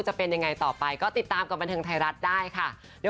จะเป็นยังไงต่อไปก็ติดตามกับบันเทิงไทยรัฐได้ค่ะ